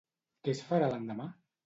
Què es farà l'endemà?